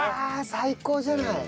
最高じゃない。